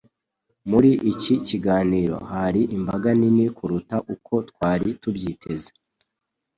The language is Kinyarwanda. Muri iki gitaramo hari imbaga nini kuruta uko twari tubyiteze.